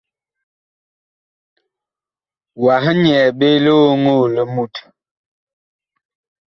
Wah nyɛɛ ɓe lioŋoo li mut.